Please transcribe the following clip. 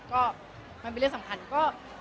ก็มันเป็นเรื่องสำคัญก็